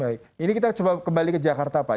baik ini kita coba kembali ke jakarta pak